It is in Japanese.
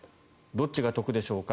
どっちが得でしょうか。